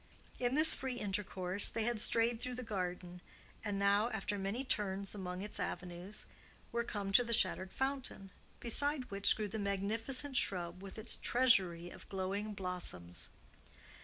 In this free intercourse they had strayed through the garden, and now, after many turns among its avenues, were come to the shattered fountain, beside which grew the magnificent shrub, with its treasury of glowing blossoms.